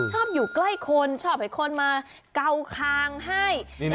ชอบอยู่ใกล้คนชอบให้คนมาเกาคางให้